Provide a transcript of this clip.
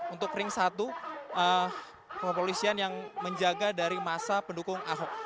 untuk ring satu kepolisian yang menjaga dari masa pendukung ahok